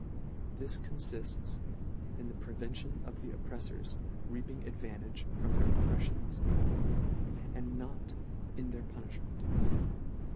This confifts in the prevention of the oppreifors reaping advantage from their oppreffions, and not in their punilhment.